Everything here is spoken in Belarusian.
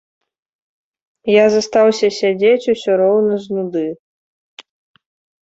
Я застаўся сядзець, усё роўна з нуды.